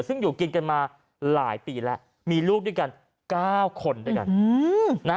ซึ่งอยู่กินกันมาหลายปีแล้วมีลูกด้วยกัน๙คนด้วยกัน